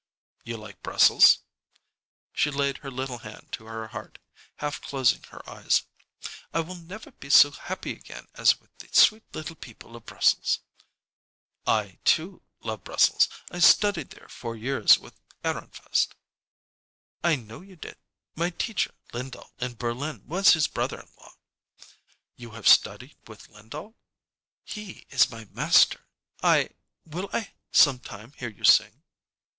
"You like Brussels?" She laid her little hand to her heart, half closing her eyes. "I will never be so happy again as with the sweet little people of Brussels." "I, too, love Brussels. I studied there four years with Ahrenfest." "I know you did. My teacher, Lyndahl, in Berlin, was his brother in law." "You have studied with Lyndahl?" "He is my master." "I Will I some time hear you sing?"